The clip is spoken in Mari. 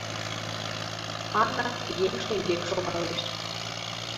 Ана еҥ шеҥгек шогалеш.